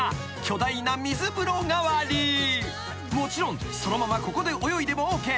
［もちろんそのままここで泳いでもＯＫ］